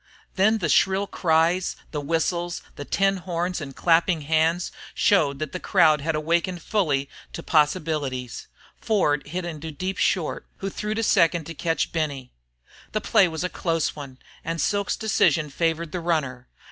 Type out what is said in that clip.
Then the shrill cries, the whistles, the tin horns and clapping hands showed that the crowd had awakened fully to possibilities. Ford hit into deep short, who threw to second to catch Benny. The play was a close one, and Silk's decision favored the runner.